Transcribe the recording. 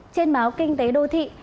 trên báo kinh tế đô thị